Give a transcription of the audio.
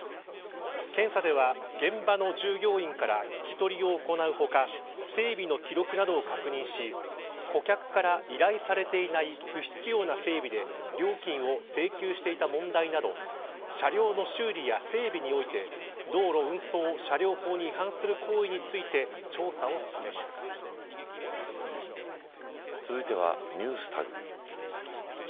検査では現場の従業員から聞き取りを行う他整備の記録などを確認し顧客から依頼されていない不必要な整備で料金を請求していた問題など車両の修理や整備において道路運送車両法に違反する行為について続いてはＮｅｗｓＴａｇ。